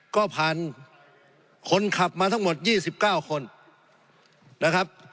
ก็ผ่านคนขับมาทั้งหมด๒๙คนนะครับ